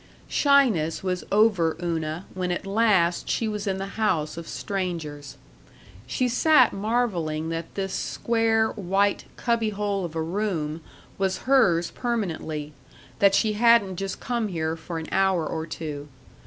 § 4 Shyness was over Una when at last she was in the house of strangers. She sat marveling that this square, white cubby hole of a room was hers permanently, that she hadn't just come here for an hour or two.